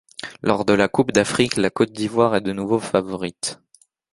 Lors de la Coupe d'Afrique, la Côte d'Ivoire est de nouveau favorite.